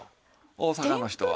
大阪の人は。